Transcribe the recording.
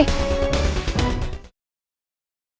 ya ternyata bener